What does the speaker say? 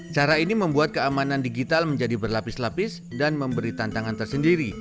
cara ini membuat keamanan digital menjadi berlapis lapis dan memberi tantangan tersendiri